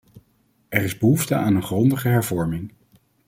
Er is behoefte aan een grondige hervorming.